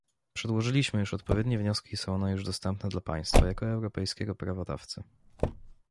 Przedłożyliśmy już odpowiednie wnioski i są one już dostępne dla państwa, jako europejskiego prawodawcy